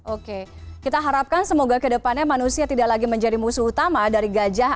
oke kita harapkan semoga kedepannya manusia tidak lagi menjadi musuh utama dari gajah